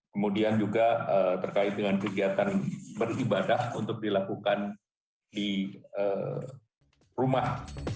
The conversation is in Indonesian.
kemudian juga terkait dengan kegiatan beribadah untuk dilakukan di rumah